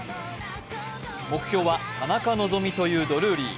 目標は田中希実というドルーリー。